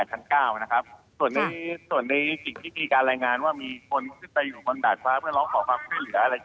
ส่วนในกริกที่การแรงงานว่ามีคนขึ้นไปบนดาดฟ้าเพื่อร้องขอความช่วยเหลือ